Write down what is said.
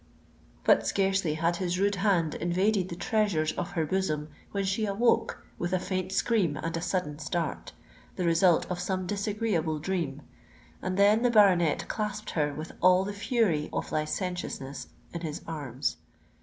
But scarcely had his rude hand invaded the treasures of her bosom, when she awoke with a faint scream and a sudden start—the result of some disagreeable dream; and then the baronet clasped her with all the fury of licentiousness in his arms.